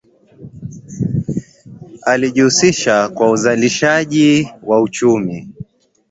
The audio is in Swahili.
Alijihusisha kwa uzalishaji wa uchumi